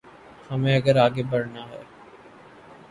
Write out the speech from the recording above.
ہمیں اگر آگے بڑھنا ہے۔